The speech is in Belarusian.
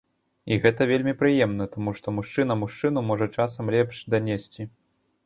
І гэта вельмі прыемна, таму што мужчына мужчыну можа часам лепш данесці.